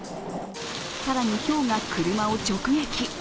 更に、ひょうが車を直撃。